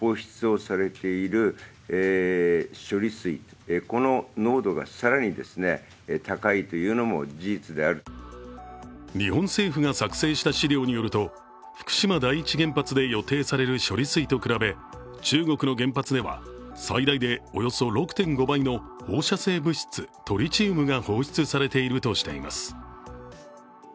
一方、自民党の茂木幹事長は日本政府が作成した資料によると、福島第一原発で予定される処理水と比べ中国の原発では最大でおよそ６．５倍の放射性物質、トリチウムが放出されているとしています。